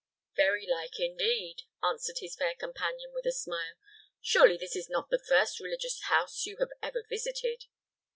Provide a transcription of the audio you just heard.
"Very like, indeed," answered his fair companion, with a smile. "Surely this is not the first religious house you have ever visited."